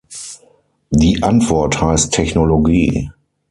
Die Antwort heißt Technologie.